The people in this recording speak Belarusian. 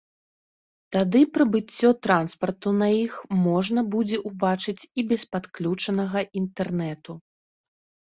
Тады прыбыццё транспарту на іх можна будзе ўбачыць і без падключанага інтэрнэту.